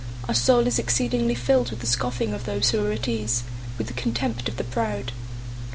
123:004 Our soul is exceedingly filled with the scoffing of those who are at ease, with the contempt of the proud.